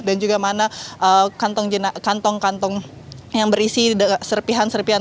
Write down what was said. dan juga mana kantong kantong yang berisi serpihan serpihan